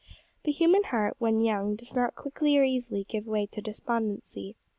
The human heart when young, does not quickly or easily give way to despondency.